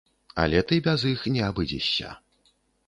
Але ты без іх не абыдзешся.